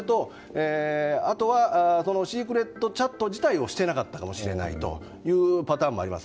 あとはシークレットチャット自体をしていなかったかもしれないというパターンもあります。